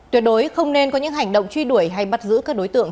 tuyệt đối không nên có những hành động truy đuổi hay bắt giữ các đối tượng